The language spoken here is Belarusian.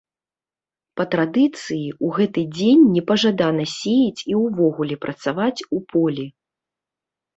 Па традыцыі, у гэты дзень непажадана сеяць і ўвогуле працаваць у полі.